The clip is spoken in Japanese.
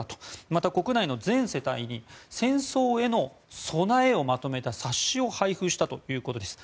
また、国内の全世帯に戦争への備えをまとめた冊子を配布したということです。